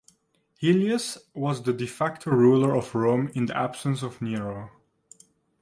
Helius was the de facto ruler of Rome in the absence of Nero.